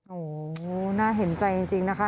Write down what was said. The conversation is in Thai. โอ้โหน่าเห็นใจจริงนะคะ